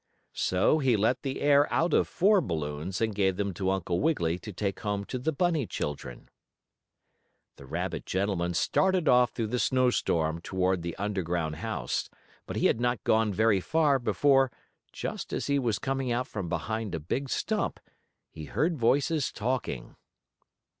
So he let the air out of four balloons and gave them to Uncle Wiggily to take home to the bunny children. The rabbit gentleman started off through the snow storm toward the underground house, but he had not gone very far before, just as he was coming out from behind a big stump, he heard voices talking.